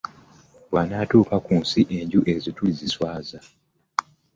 Bw'anaatuuka ku nsi, enju ezo tuliziswaza mu bantu